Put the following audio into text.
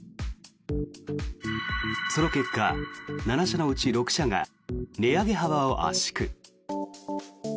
その結果、７社のうち６社が値上げ幅を圧縮。